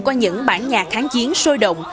qua những bản nhạc kháng chiến sôi động